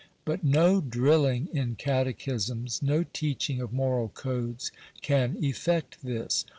But no drilling in catechisms, no teaching of moral codes, can effect this.